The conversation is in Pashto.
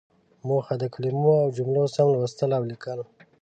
موخه: د کلمو او جملو سم لوستل او ليکل.